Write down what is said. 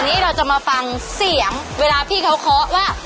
วันนี้เราจะมาฟังเสียงเวลาพี่เขาเคาะว่า